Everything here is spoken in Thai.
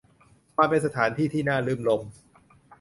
มันเป็นสถานที่ที่น่ารื่นรมย์